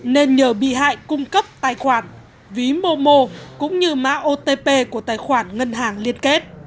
nên nhờ bị hại cung cấp tài khoản ví mô mô cũng như má otp của tài khoản ngân hàng liên kết